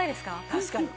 確かに。